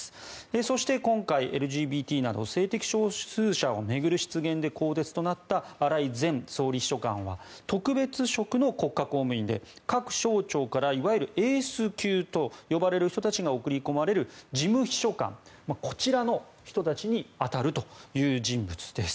そして、今回ＬＧＢＴなど性的少数者などを巡る問題で更迭となった荒井前総理秘書官は特別職の国家公務員で各省庁からいわゆるエース級と呼ばれる人たちが送り込まれる事務秘書官こちらの人たちに当たる人物ということです。